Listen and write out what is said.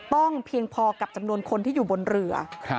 เพียงพอกับจำนวนคนที่อยู่บนเรือ